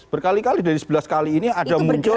berkali kali dari sebelas kali ini ada muncul